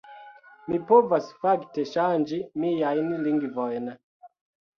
Mi povas, fakte, ŝanĝi miajn lingvojn